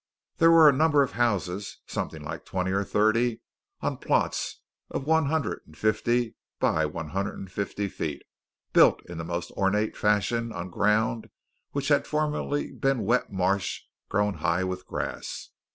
There were a number of houses something like twenty or thirty on plots one hundred and fifty by one hundred and fifty feet, built in the most ornate fashion on ground which had formerly been wet marsh grown high with grass.